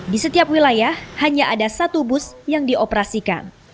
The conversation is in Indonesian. di setiap wilayah hanya ada satu bus yang dioperasikan